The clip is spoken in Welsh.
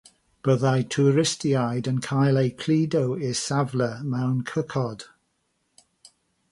Byddai twristiaid yn cael eu cludo i'r safle mewn cychod.